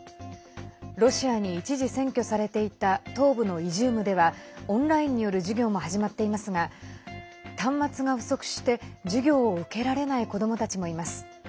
ロシアに一時、占拠されていた東部のイジュームではオンラインによる授業も始まっていますが端末が不足して授業を受けられない子どもたちもいます。